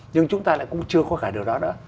nhưng chúng ta cũng chưa có cả điều đó nữa